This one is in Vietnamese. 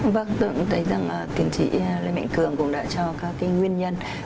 vâng tôi cũng thấy rằng tiến sĩ lê mạnh cường cũng đã cho các cái nguyên nhân